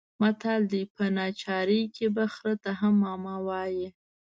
متل دی: په ناچارۍ کې به خره ته هم ماما وايې.